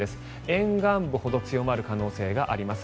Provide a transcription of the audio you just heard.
沿岸部ほど強まる可能性があります。